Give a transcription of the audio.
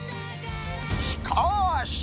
しかし。